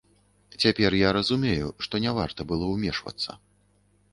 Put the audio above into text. Цяпер я разумею, што не варта было ўмешвацца.